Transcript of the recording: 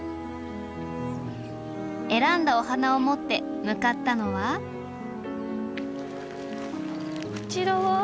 選んだお花を持って向かったのはこちらは？